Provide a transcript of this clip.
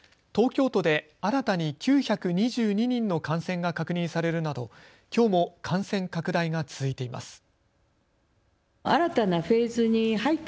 東京都で新たに９２２人の感染が確認されるなど、きょうも感染拡大が続いています。